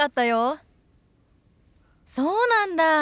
そうなんだ。